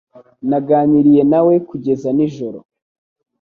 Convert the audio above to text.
Naganiriye nawe kugeza nijoro